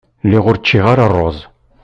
Lliɣ ur ččiɣ ara rruẓ.